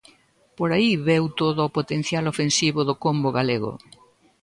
Por aí veu todo o potencial ofensivo do combo galego.